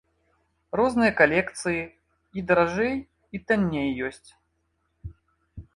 Розныя калекцыі, і даражэй, і танней ёсць.